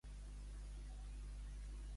En un tot.